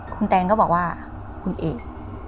คุณแตนก็บอกว่าคุณเอก